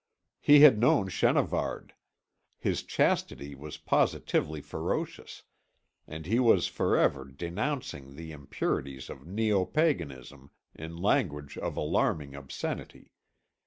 He had known Chenavard. His chastity was positively ferocious, and he was for ever denouncing the impurities of neo paganism in language of alarming obscenity.